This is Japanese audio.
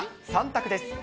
３択です。